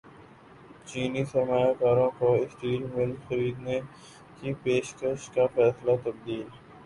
چینی سرمایہ کاروں کو اسٹیل ملز خریدنے کی پیشکش کا فیصلہ تبدیل